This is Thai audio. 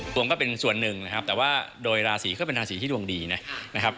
วงก็เป็นส่วนหนึ่งนะครับแต่ว่าโดยราศีก็เป็นราศีที่ดวงดีนะครับ